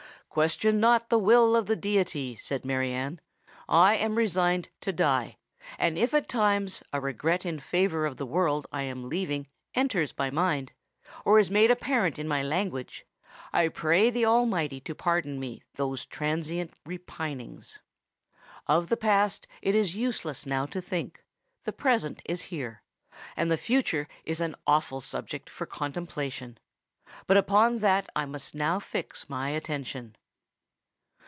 "Question not the will of the deity," said Mary Anne. "I am resigned to die; and if, at times, a regret in favour of the world I am leaving enters my mind, or is made apparent in my language, I pray the Almighty to pardon me those transient repinings. Of the past it is useless now to think;—the present is here;—and the future is an awful subject for contemplation. But upon that I must now fix my attention!"